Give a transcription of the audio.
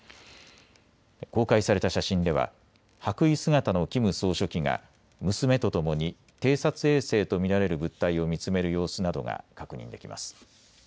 公開された写真では白衣姿のキム総書記が娘とともに偵察衛星と見られる物体を見つめる様子などが確認できます。